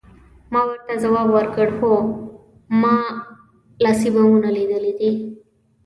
ما ورته ځواب ورکړ، هو، ما لاسي بمونه لیدلي دي.